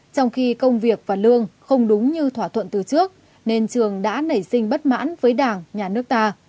trong khi công việc và lương không đúng như thỏa thuận từ trước nên trường đã nảy sinh bất mãn với đảng nhà nước ta